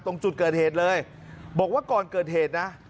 ตรงจุดเกิดเหตุเลยบอกว่าก่อนเกิดเหตุนะ